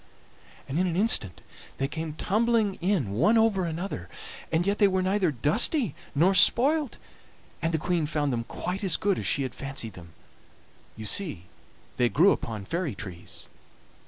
"And in an instant they came tumbling in one over another, and yet they were neither dusty nor spoilt, and the Queen found them quite as good as she had fancied them. You see they grew upon fairy trees.